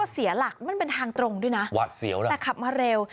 เสียหลักมันเป็นทางตรงด้วยนะแต่ขับมาเร็ว